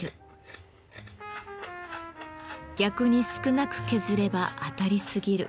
逆に少なく削れば当たりすぎる。